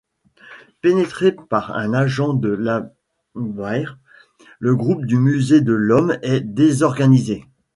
Pénétré par un agent de l'Abwehr, le Groupe du musée de l'Homme est désorganisé.